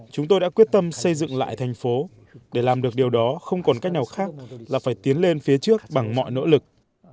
chúng tôi đã quyết tâm xây dựng lại thành phố để làm được điều đó không còn cách nào khác là phải tiến lên phía trước bằng mọi nỗ lực